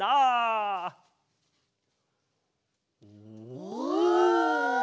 お！